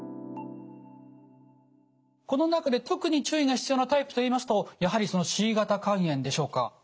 この中で特に注意が必要なタイプといいますとやはりそのＣ型肝炎でしょうか？